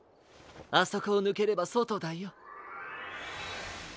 あそこをぬければそとだよ。